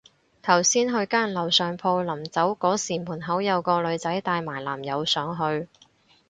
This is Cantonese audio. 頭先去間樓上鋪，臨走嗰時門口有個女仔帶埋男友上去